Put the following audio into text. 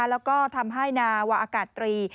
และทำให้นาวะอากาศตรี